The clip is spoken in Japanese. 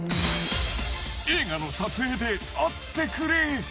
映画の撮影であってくれ。